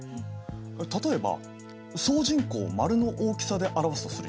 例えば総人口を丸の大きさで表すとするよね。